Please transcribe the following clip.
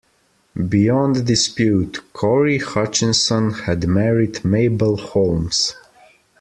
Beyond dispute, Corry Hutchinson had married Mabel Holmes.